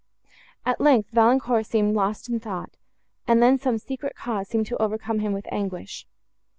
At length, Valancourt remained lost in thought, and then some secret cause seemed to overcome him with anguish.